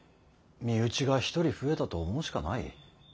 身内が一人増えたと思うしかない。